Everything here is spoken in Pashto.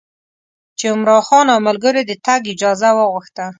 چې عمرا خان او ملګرو یې د تګ اجازه وغوښته.